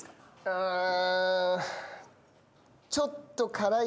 うん。